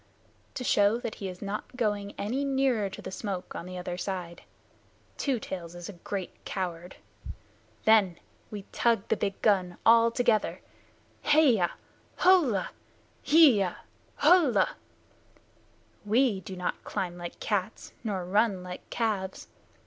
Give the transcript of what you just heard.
"To show that he is not going any nearer to the smoke on the other side. Two Tails is a great coward. Then we tug the big gun all together Heya Hullah! Heeyah! Hullah! We do not climb like cats nor run like calves.